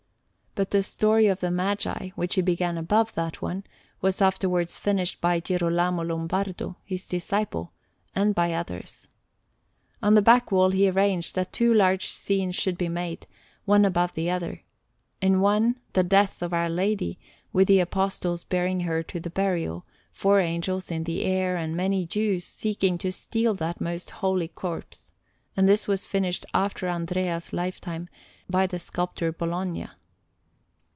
But the story of the Magi, which he began above that one, was afterwards finished by Girolamo Lombardo, his disciple, and by others. On the back wall he arranged that two large scenes should be made, one above the other; in one, the Death of Our Lady, with the Apostles bearing her to her burial, four Angels in the air, and many Jews seeking to steal that most holy corpse; and this was finished after Andrea's lifetime by the sculptor Bologna.